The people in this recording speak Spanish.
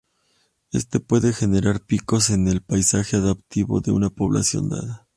Esto puede generar picos en el paisaje adaptativo de una población dada.